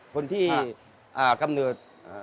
คนที่กำเนิด